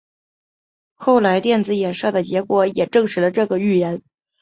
后来电子衍射的结果也证实了这个预言。